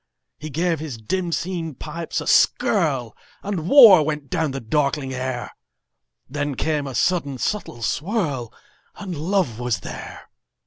He gave his dim seen pipes a skirlAnd war went down the darkling air; Then came a sudden subtle swirl, And love was there.